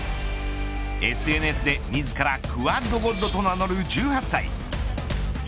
ＳＮＳで自らクワッドゴッドと名乗る１８歳。